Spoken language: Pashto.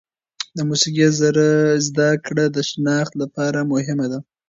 د موسیقي زده کړه د شناخت لپاره مهمه ده.